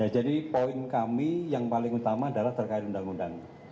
jadi poin kami yang paling utama adalah terkait undang undang